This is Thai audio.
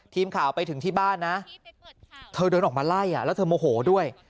ทีมข่าวไปถึงที่บ้านนะเธอเดินออกมาไล่แล้วเธอโมโหด้วย